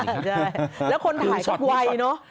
ใช่แล้วคนถ่ายก็ไวเนอะ